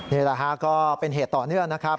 นี่แหละฮะก็เป็นเหตุต่อเนื่องนะครับ